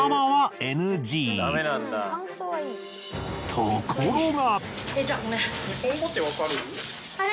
ところが。